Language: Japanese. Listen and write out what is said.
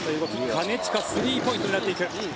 金近、スリーポイントを狙っていく。